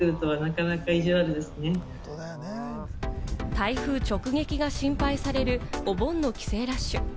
台風直撃が心配されるお盆の帰省ラッシュ。